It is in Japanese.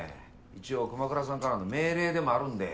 一応熊倉さんからの命令でもあるんで。